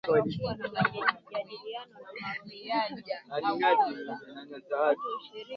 pia zilishuhudiwa na kukabidhi uenyekiti wa kutoka kwa jamhuri ya Malawi na kijiti